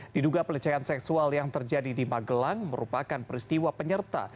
diduga pelecehan seksual yang terjadi di magelang merupakan peristiwa penyerta